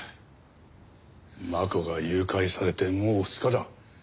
真子が誘拐されてもう２日だ。